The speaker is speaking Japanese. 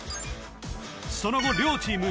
その後両チーム